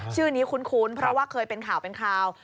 ชื่อนี้คุ้นเพราะว่าเคยเป็นข่าว